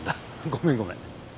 ごめんごめん。